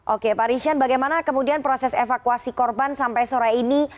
oke pak rishan bagaimana kemudian proses evakuasi korban sampai sore ini